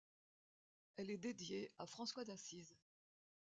Elle est dédiée à François d'Assise.